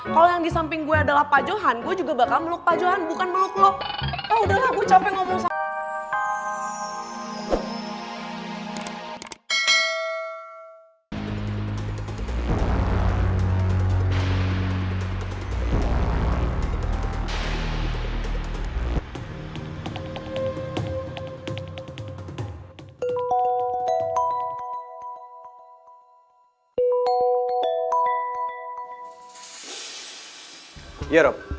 kalo yang di samping gue adalah pak johan gue juga bakal meluk pak johan bukan meluk lo